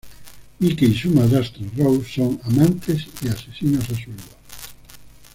Mikey y su madrastra Rose son amantes y asesinos a sueldo.